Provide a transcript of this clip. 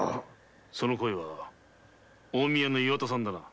その声は近江屋の岩田さんだな。